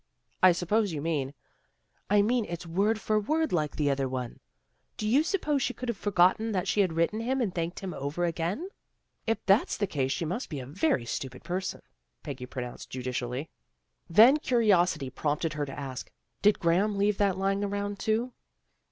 I suppose you mean " I mean it's word for word like the other one. Do you suppose she could have forgotten that she had written him and thanked him over again? "" If that's the case she must be a very stupid person," Peggy pronounced judicially. Then curiosity prompted her to ask, " Did Graham leave that lying around too?